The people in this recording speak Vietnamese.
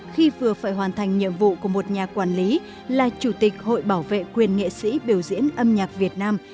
khi vừa phải hoàn thành nhiệm vụ của một nhà quản lý là chủ tịch hội bảo vệ quyền nghệ sĩ biểu diễn âm nhạc việt nam